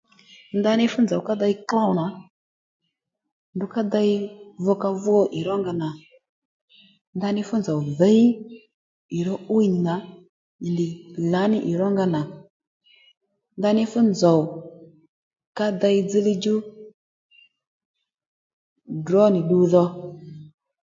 Ndaní fú nzòw ka dey klôw nà ndrú ka dey vukavu ì ró nga nà ndaní fúnzò dhǐy ì ró 'wiy nì nà ì nì lǎní ì rónga nà ndaní fú nzòw ka dey dzilyíy djú ddrǒ nì ddu dho